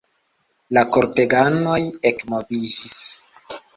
La korteganoj ekmoviĝis.